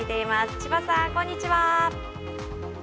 千葉さん、こんにちは。